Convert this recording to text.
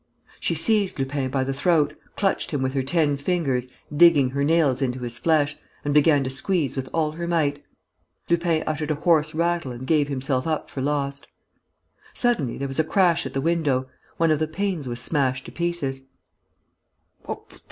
She seized Lupin by the throat, clutched him with her ten fingers, digging her nails into his flesh, and began to squeeze with all her might. Lupin uttered a hoarse rattle and gave himself up for lost. Suddenly, there was a crash at the window. One of the panes was smashed to pieces.